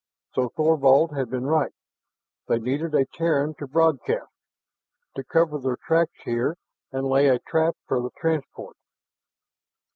So Thorvald had been right; they needed a Terran to broadcast to cover their tracks here and lay a trap for the transport.